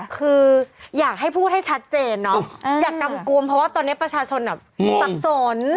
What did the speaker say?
คืออยากให้พูดให้ชัดเจนเนาะอย่ากำกวมเพราะว่าตอนนี้ประชาชนสับสน